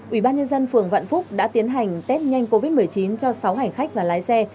ủy ban nhân dân phường vạn phúc đã tiến hành test nhanh covid một mươi chín cho sáu hành khách và lái xe